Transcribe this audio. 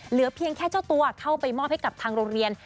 เหลือเพียงแค่เจ้าตัวเข้าไปมอบให้กับทางโรงเรียน